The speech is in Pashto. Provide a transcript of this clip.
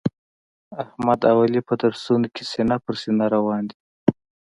احمد او علي په درسونو کې سینه په سینه روان دي.